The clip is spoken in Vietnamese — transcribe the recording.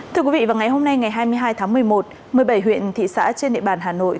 thưa quý vị vào ngày hôm nay ngày hai mươi hai tháng một mươi một một mươi bảy huyện thị xã trên địa bàn hà nội